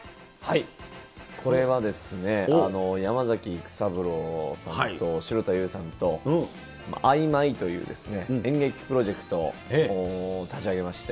これは、山崎育三郎さんと城田優さんと、ＩＭＹという演劇プロジェクトを立ち上げまして。